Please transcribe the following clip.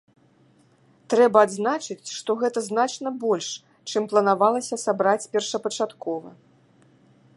Трэба адзначыць, што гэта значна больш, чым планавалася сабраць першапачаткова.